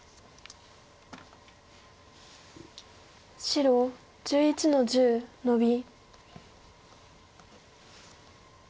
白１１の十ノビ。